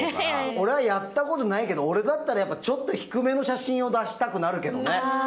俺はやったことないけど俺だったらやっぱちょっと低めの写真を出したくなるけどね。